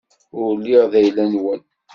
Ur lliɣ d ayla-nwen.